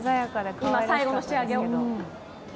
今、最後の仕上げを。